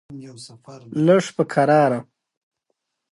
پور ورکوونکي پانګوال هم د دوی په استثمار کې دي